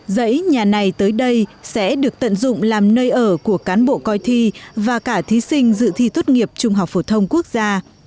dãy nhà này tới đây sẽ được tận dụng làm nơi ở của cán bộ coi thi và cả thí sinh dự thi tốt nghiệp trung học phổ thông quốc gia